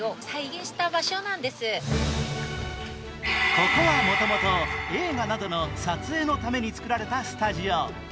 ここはもともと映画などの撮影のために作られたスタジオ。